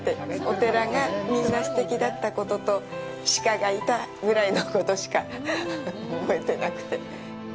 お寺がみんなすてきだったことと鹿がいたぐらいのことしか覚えてなくて。